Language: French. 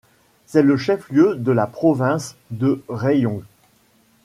C'est le chef-lieu de la province de Rayong.